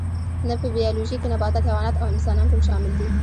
نه په بیولوژي کې نباتات حیوانات او انسانان ټول شامل دي